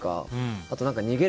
あと、逃げる